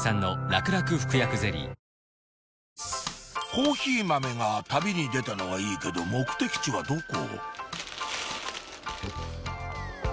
コーヒー豆が旅に出たのはいいけど目的地はどこ？